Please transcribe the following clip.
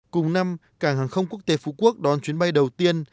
cùng năm cảng hàng không quốc tế phú quốc đón chuyến bay đầu tiên